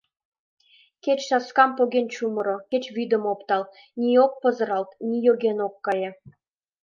Кеч саскам поген чумыро, кеч вӱдым оптал — ни ок пызыралт, ни йоген ок кае.